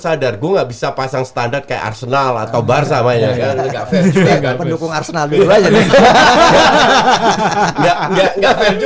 sadar gua nggak bisa pasang standard ke arsenal atau bar sekalian